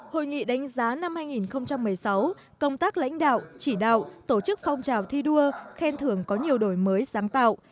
hội nghị đánh giá năm hai nghìn một mươi sáu công tác lãnh đạo chỉ đạo tổ chức phong trào thi đua khen thưởng có nhiều đổi mới sáng tạo